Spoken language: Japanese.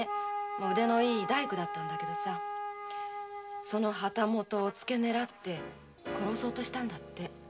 腕のいい大工だったんだけどその旗本をつけ狙って殺そうとしたんだって。